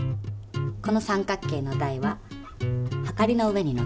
この三角形の台ははかりの上にのっています。